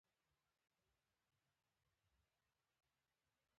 احمد د روې پوست پر مخ غوړولی دی؛ څوک نه شي ور تلای.